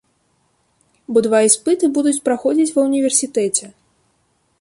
Бо два іспыты будуць праходзіць ва ўніверсітэце.